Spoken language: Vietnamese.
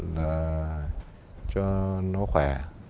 là cho nó khỏe